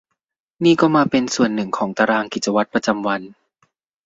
นี่ก็มาเป็นส่วนหนึ่งของตารางกิจวัตรประจำวัน